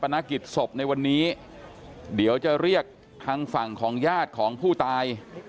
นักกิจศพในวันนี้เดี๋ยวจะเรียกทางฝั่งของญาติของผู้ตาย